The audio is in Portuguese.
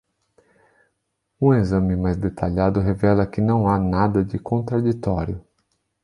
Um exame mais detalhado revela que não há nada de contraditório.